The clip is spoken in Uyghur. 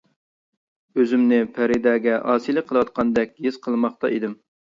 ئۆزۈمنى پەرىدەگە ئاسىيلىق قىلىۋاتقاندەك ھېس قىلماقتا ئىدىم.